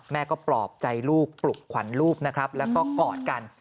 แม่ก็ปลอบใจลูกปลุกขวัญลูกนะครับแล้วก็กอดกัน